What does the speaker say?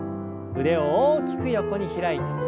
腕を大きく横に開いて。